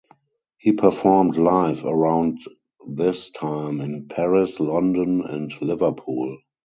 He performed live around this time in Paris, London and Liverpool.